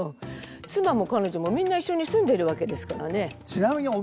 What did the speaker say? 妻も彼女もみんな一緒に住んでるわけですからね。